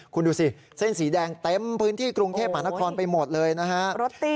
คุณดูสิเส้นสีแดงเต็มพื้นที่กรุงเทพมหานครไปหมดเลยนะฮะ